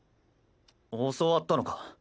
教わったのか？